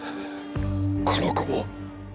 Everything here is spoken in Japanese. この子も。